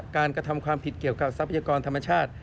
กระทำความผิดเกี่ยวกับทรัพยากรธรรมชาติ